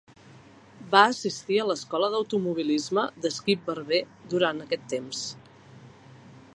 Va assistir a l'escola d'automobilisme de Skip Barber durant aquest temps.